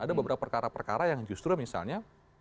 ada beberapa perkara perkara yang justru misalnya